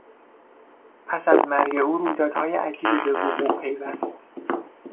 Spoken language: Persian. پس از مرگ او رویدادهای عجیبی به وقوع پیوست.